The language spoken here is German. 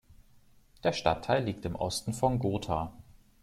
Der Stadtteil liegt im Osten von Gotha.